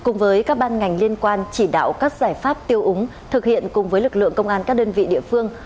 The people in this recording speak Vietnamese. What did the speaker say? nhiều quan chỉ đạo các giải pháp tiêu úng thực hiện cùng với lực lượng công an các đơn vị địa phương